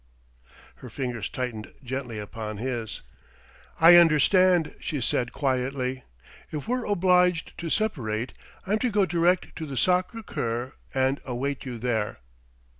Her fingers tightened gently upon his. "I understand," she said quietly; "if we're obliged to separate, I'm to go direct to the Sacré Cour and await you there."